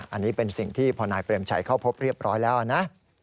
อันนี้เป็นสิ่งที่พอนายเปรมชัยเข้าพบเรียบร้อยแล้วนะ